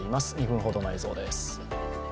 ２分ほどの映像です。